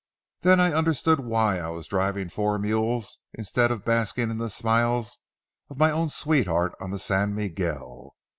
Then I understood why I was driving four mules instead of basking in the smiles of my own sweetheart on the San Miguel.